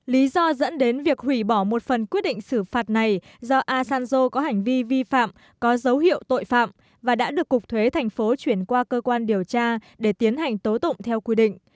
lý do dẫn đến việc hủy bỏ một phần quyết định xử phạt này do asanzo có hành vi vi phạm có dấu hiệu tội phạm và đã được cục thuế thành phố chuyển qua cơ quan điều tra để tiến hành tố tụng theo quy định